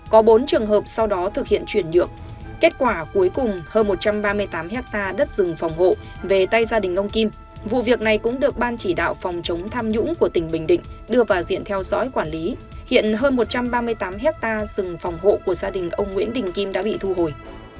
có bốn trường hợp sau đó thực hiện chuyển nhượng kết quả cuối cùng hơn một trăm ba mươi tám hectare đất rừng phòng hộ về tay gia đình ông kim vụ việc này cũng được ban chỉ đạo phòng chống tham nhũng của tỉnh bình định đưa vào diện theo dõi quản lý hiện hơn một trăm ba mươi tám hectare rừng phòng hộ của gia đình ông nguyễn đình kim đã bị thu hồi